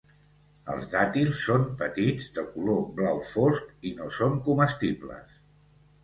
Els dàtils són petits, de color blau fosc, i no són comestibles.